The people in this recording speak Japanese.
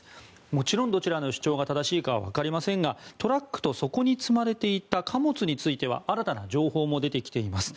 もちろんどちらの主張が正しいかは分かりませんがトラックとそこに積まれていた貨物については新たな情報も出てきています。